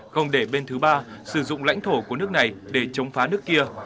không để bên thứ ba sử dụng lãnh thổ của nước này để chống phá nước kia